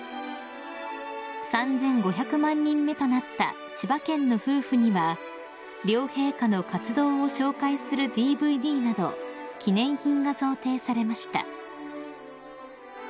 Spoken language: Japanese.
［３，５００万人目となった千葉県の夫婦には両陛下の活動を紹介するＤＶＤなど記念品が贈呈されました］